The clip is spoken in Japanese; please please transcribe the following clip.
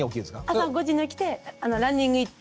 朝５時に起きてランニング行って。